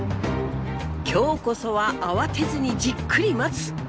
今日こそは慌てずにじっくり待つ。